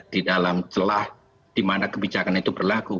di dalam celah di mana kebijakan itu berlaku